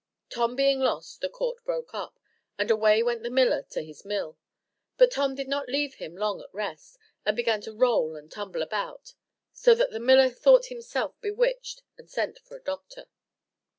Tom being lost, the court broke up, and away went the miller to his mill. But Tom did not leave him long at rest: he began to roll and tumble about, so that the miller thought himself bewitched, and sent for a doctor.